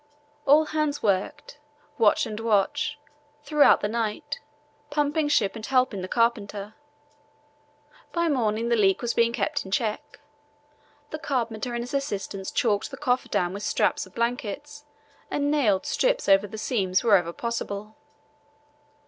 All hands worked, watch and watch, throughout the night, pumping ship and helping the carpenter. By morning the leak was being kept in check. The carpenter and his assistants caulked the coffer dam with strips of blankets and nailed strips over the seams wherever possible.